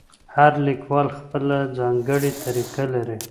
هر لیکوال خپله ځانګړې طریقه لري.